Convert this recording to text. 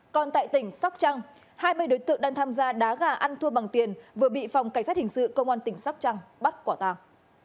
còn tại tỉnh sóc trăng hai mươi đối tượng đang tham gia đá gà ăn thua bằng tiền vừa bị phòng cảnh sát hình sự công an tỉnh sóc trăng bắt quả tàng